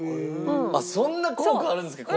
そんな効果あるんですか？